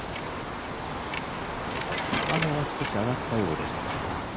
雨は少し上がったようです。